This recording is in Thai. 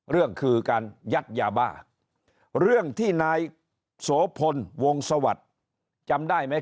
เรื่องคือการยัดยาบ้าเรื่องที่นายโสพลวงสวัสดิ์จำได้ไหม